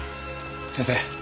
先生。